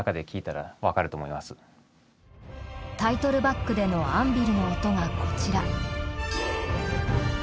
タイトルバックでのアンビルの音がこちら。